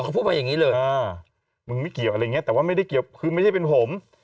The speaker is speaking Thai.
พูดไปอย่างนี้เลยมึงไม่เกี่ยวอะไรเกี่ยวกับคือไม่จะเป็นผม